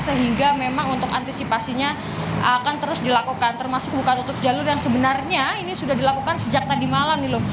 sehingga memang untuk antisipasinya akan terus dilakukan termasuk buka tutup jalur yang sebenarnya ini sudah dilakukan sejak tadi malam